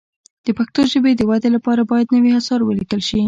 د پښتو ژبې د ودې لپاره باید نوي اثار ولیکل شي.